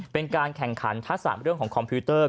เป็นการแข่งขันทักษะเรื่องของคอมพิวเตอร์